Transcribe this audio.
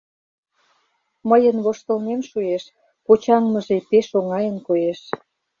Мыйын воштылмем шуэш, почаҥмыже пеш оҥайын коеш.